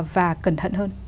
và cẩn thận hơn